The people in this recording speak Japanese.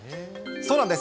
そうなんです。